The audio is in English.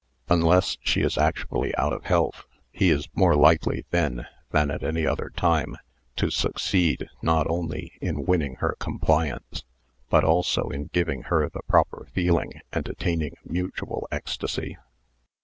Unless she is actually out of health he is more likely then than at any other time to succeed not only in winning her compliance, but also in giving her the proper feeling and attaining mutual ecstasy.